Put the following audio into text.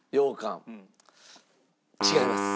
違います。